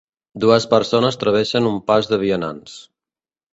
Dues persones travessen un pas de vianants.